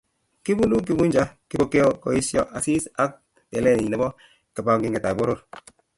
Kibunu Kifuja Kipokeo koesio Asisi ak telelenyi nebo kibagengeitab poror